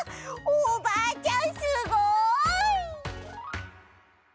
おばあちゃんすごい！せの。